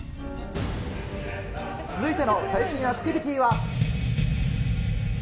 続いての最新アクティビティーは。